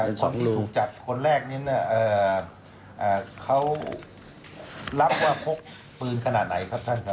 คนที่ถูกจับคนแรกนี้เขารับว่าพกปืนขนาดไหนครับท่านครับ